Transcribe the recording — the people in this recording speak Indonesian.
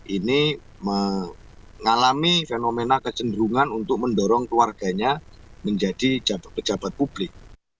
ini mengalami fenomena kecenderungan untuk mendorong keluarganya menjadi pejabat publik